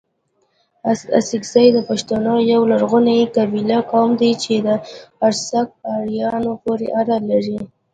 اڅکزي دپښتونو يٶه لرغوني قبيله، قوم دئ چي د ارڅک اريانو پوري اړه لري